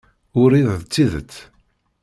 Urid d tidet.